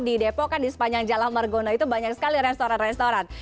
di depok kan di sepanjang jalan margono itu banyak sekali restoran restoran